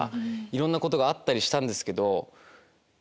いろんなことがあったりしたんですけど。